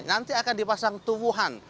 nanti akan dipasang tumbuhan